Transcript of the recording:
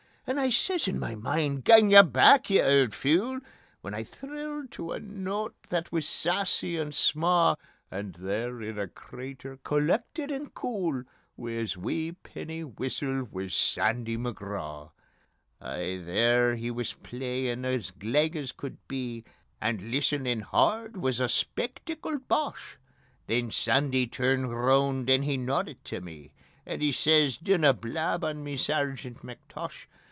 And I says in ma mind: "Gang ye back, ye auld fule!" When I thrilled tae a note that wis saucy and sma'; And there in a crater, collected and cool, Wi' his wee penny whistle wis Sandy McGraw. Ay, there he wis playin' as gleg as could be, And listenin' hard wis a spectacled Boche; Then Sandy turned roon' and he noddit tae me, And he says: "Dinna blab on me, Sergeant McTosh.